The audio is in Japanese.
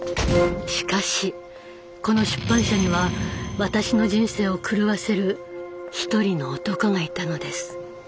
しかしこの出版社には私の人生を狂わせる一人の男がいたのです。